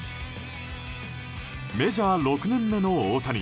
メジャー６年目の大谷。